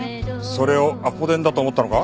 それをアポ電だと思ったのか？